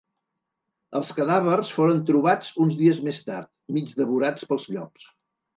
Els cadàvers foren trobats uns dies més tard, mig devorats pels llops.